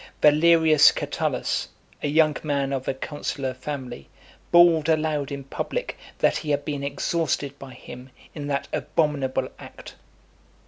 Valerius Catullus, a young man of a consular family, bawled aloud in public that he had been exhausted by him in that abominable act.